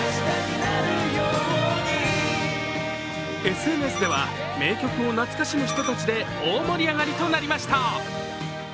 ＳＮＳでは名曲を懐かしむ人たちで大盛り上がりとなりました。